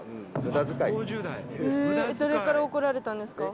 誰から怒られたんですか？